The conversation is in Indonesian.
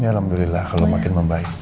ya alhamdulillah kalo makin membaik